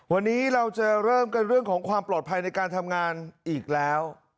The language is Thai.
วันนี้เราจะเริ่มกันเรื่องของความปลอดภัยในการทำงานอีกแล้ว